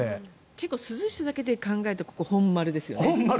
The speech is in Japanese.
結構涼しさだけで考えるとここは本丸ですよね。